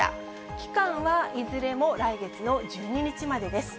期間はいずれも来月の１２日までです。